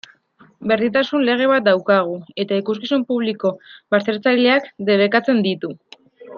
Berdintasun lege bat daukagu, eta ikuskizun publiko baztertzaileak debekatzen ditu.